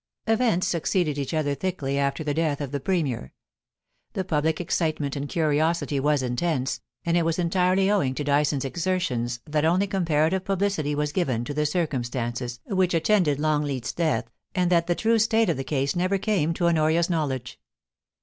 Events succeeded each other thickly after the death of the Premier. The public excitement and curiosity was intense, and it was entirely owing to Dyson's exertions that only comparative publicity was given to the circumstances which attended Longleat's death, and that the true state of the case never came to Honoria's knowledge.